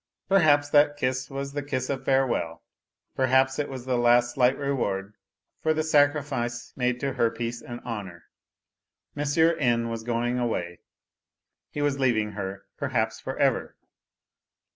Perhaps that kiss was the of farewell, perhaps it was the last slight reward for the sacrifice made to her peace and honour. N. was going away, he was leav ing her, perhaps for ever.